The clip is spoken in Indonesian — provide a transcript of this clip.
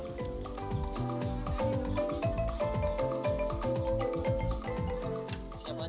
masakan ikan parende